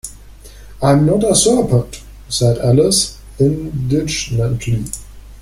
‘I’m not a serpent!’ said Alice indignantly.